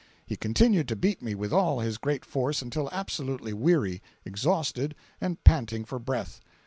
He continued to beat me with all his great force, until absolutely weary, exhausted and panting for breath.